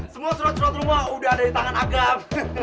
semua surat surat rumah sudah ada di tangan agam